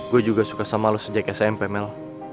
gue juga suka sama lo sejak smp mel